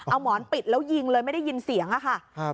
เอาหมอนปิดแล้วยิงเลยไม่ได้ยินเสียงอะค่ะ